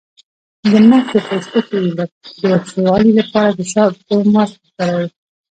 د مخ د پوستکي د وچوالي لپاره د شاتو ماسک وکاروئ